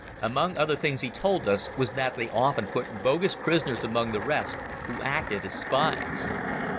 Among other things he told us was that they often put bogus prisoners among the rest, who acted as spies.